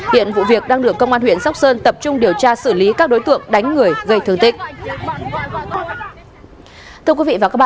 hiện vụ việc đang được công an huyện sóc sơn tập trung điều tra xử lý các đối tượng đánh người gây thương tích